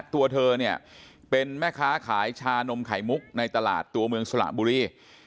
ตัวเธอเนี่ยเป็นแม่ค้าขายชานมไข่มุกในตลาดตัวเมืองสระบุรี